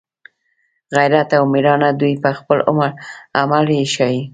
غیرت او میړانه دوی په خپل عمل یې ښایي